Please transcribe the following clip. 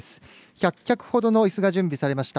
１００脚ほどのいすが準備されました。